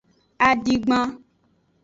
Adigban.